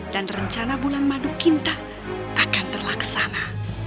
dan rencana bulan madu kinta akan terlaksana